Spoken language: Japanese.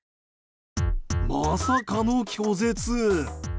まさかの拒絶。